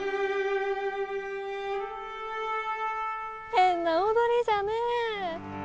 変な踊りじゃねえ！